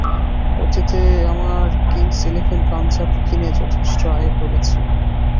অতীতে আমরা Kings Eleven Punjab কিনে যথেষ্ট আয় করেছি।